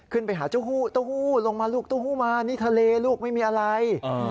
ไปหาเจ้าฮู้ตู้หู้ลงมาลูกตู้หู้มานี่ทะเลลูกไม่มีอะไร